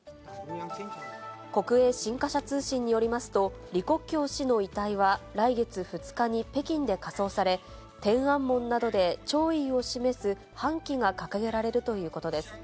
国営新華社通信によりますと、李克強氏の遺体は来月２日に北京で火葬され、天安門などで弔意を示す半旗が掲げられるということです。